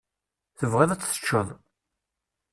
Tebɣiḍ ad teččeḍ.